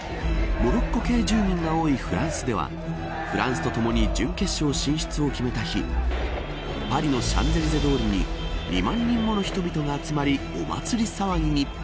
モロッコ系住民が多いフランスではフランスとともに準決勝進出を決めた日パリのシャンゼリゼ通りに２万人もの人々が集まりお祭り騒ぎに。